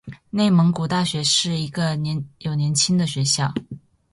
内蒙古大学是一个有年轻的学校。